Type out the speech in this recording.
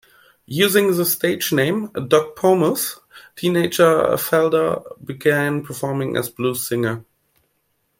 Using the stage name "Doc Pomus", teenager Felder began performing as a blues singer.